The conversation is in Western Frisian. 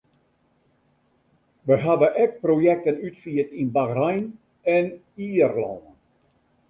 Wy hawwe ek projekten útfierd yn Bachrein en Ierlân.